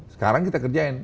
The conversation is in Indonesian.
sekarang kita kerjain